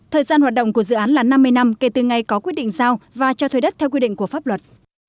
thời gian hoạt động của dự án là năm mươi năm kể từ ngày có quyết định giao và cho thuê đất theo quy định của pháp luật